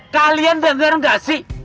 kalian dengar nggak sih